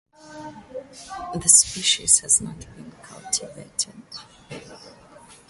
The species has not been cultivated.